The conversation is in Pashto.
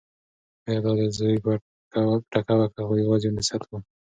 ایا دا د زوی پټکه وه که یوازې یو نصیحت و؟